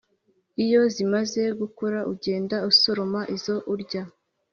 iyo zimaze gukura ugenda usoroma izo urya